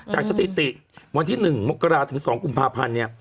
จากสถิติวันที่๑มกราศถึง๒กุมภาพันธุ์